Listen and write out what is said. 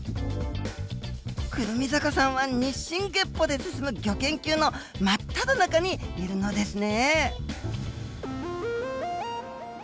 胡桃坂さんは日進月歩で進むギョ研究の真っただ中にいるのですね。